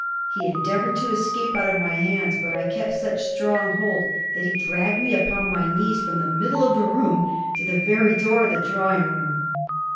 He endeavoured to escape out of my hands, but I kept such strong hold that he dragged me upon my knees from the middle of the room to the very door of the drawing room.'